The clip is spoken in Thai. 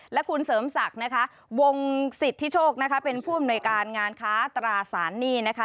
และคุณเสริมศักดิ์นะคะวงสิทธิโชคนะคะเป็นผู้อำนวยการงานค้าตราสารหนี้นะคะ